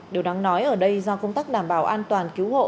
điều đáng nói ở đây do công tác đảm bảo an toàn cứu hộ